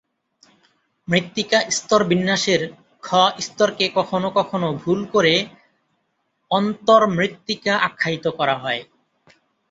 মৃত্তিকা স্তর বিন্যাসের ‘খ’ স্তরকে কখনও কখনও ভুল করে অন্তর্মৃত্তিকা আখ্যায়িত করা হয়।